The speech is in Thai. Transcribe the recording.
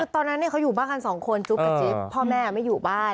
ตอนนั้นเขาอยู่บ้านกันสองคนจุ๊บกับจิ๊บพ่อแม่ไม่อยู่บ้าน